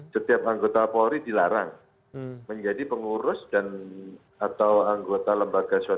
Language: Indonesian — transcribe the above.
setiap anggota polri dilarang menjadi pengurus dan atau anggota lembaga sosial